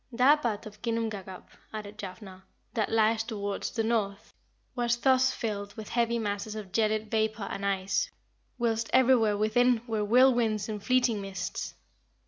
"That part of Ginnungagap," added Jafnhar, "that lies towards the north was thus filled with heavy masses of gelid vapour and ice, whilst everywhere within were whirlwinds and fleeting mists.